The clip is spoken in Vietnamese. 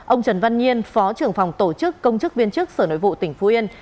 ông trần văn nhiên phó trưởng phòng tổ chức công chức viên chức sở nội vụ tỉnh phú yên